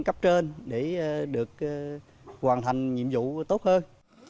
cấp trên để được hoàn thành nhiệm vụ tốt hơn